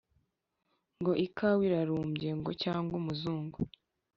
Ngo ikawa irarumbye, ngo cyangwa umuzungu